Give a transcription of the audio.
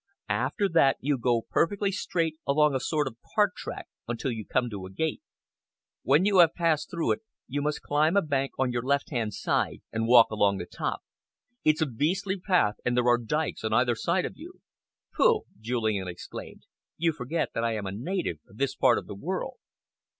"After that, you go perfectly straight along a sort of cart track until you come to a gate. When you have passed through it, you must climb a bank on your lefthand side and walk along the top. It's a beastly path, and there are dykes on either side of you." "Pooh!" Julian exclaimed. "You forget that I am a native of this part of the world."